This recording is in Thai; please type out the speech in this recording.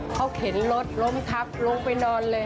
เขาเข็นรถล้มทับลงไปนอนเลย